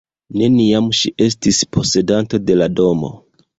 Neniam ŝi estis posedanto de la domo.